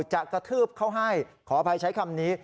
กระทืบเขาให้ขออภัยใช้คำนี้